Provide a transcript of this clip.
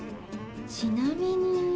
ちなみに。